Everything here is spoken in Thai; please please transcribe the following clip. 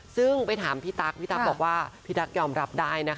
ซึ่งไปถามพี่ตั๊กพี่ตั๊กบอกว่าพี่ตั๊กยอมรับได้นะคะ